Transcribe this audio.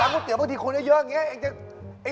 เติมร้านก๋อีบางทีคุณเยอะอย่างเนี้ย